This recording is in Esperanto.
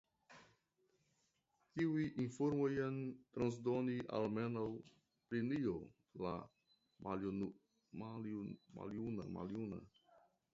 Tiujn informojn transdonis almenaŭ Plinio la Maljuna.